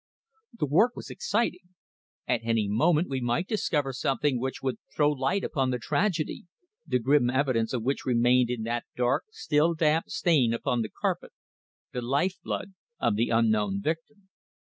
The work was exciting. At any moment we might discover something which would throw light upon the tragedy, the grim evidence of which remained in that dark, still damp stain upon the carpet the life blood of the unknown victim.